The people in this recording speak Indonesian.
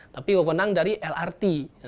tapi wawonang dari lrt